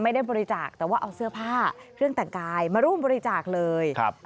ไม่ได้บริจาคแต่ว่าเอาเสื้อผ้าเครื่องแต่งกายมาร่วมบริจาคเลยครับ